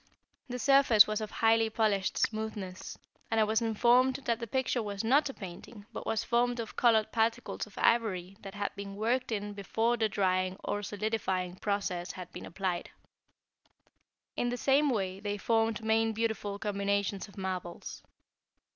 The surface was of highly polished smoothness, and I was informed that the picture was not a painting but was formed of colored particles of ivory that had been worked in before the drying or solidifying process had been applied. In the same way they formed main beautiful combinations of marbles.